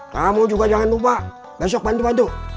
kamu juga jangan lupa besok bantu bantu